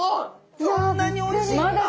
こんなにおいしいんだ！